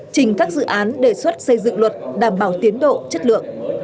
trình các dự án đề xuất xây dựng luật đảm bảo tiến độ chất lượng